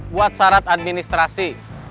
buat syarat administrasi